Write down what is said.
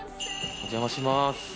お邪魔します。